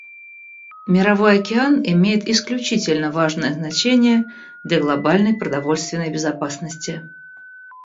Мировой океан имеет исключительно важное значение для глобальной продовольственной безопасности.